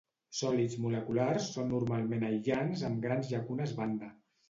Sòlids moleculars són normalment aïllants amb grans llacunes banda.